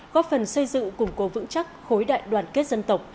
góp phần xây dựng củng cố vững chắc khối đại đoàn kết dân tộc